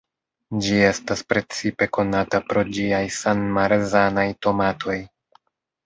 Ĝi estas precipe konata pro ĝiaj san-marzanaj tomatoj.